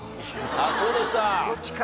あっそうですか。